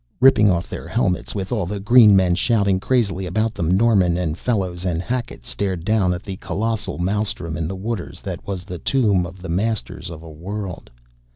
Ripping off their helmets, with all the green men shouting crazily about them, Norman and Fellows and Hackett stared down at the colossal maelstrom in the waters that was the tomb of the masters of a world.